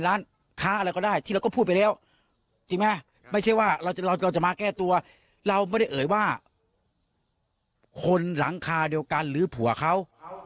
เราไม่ได้เอ่ยว่าคนหลังคาเดียวกันหรือผัวเขา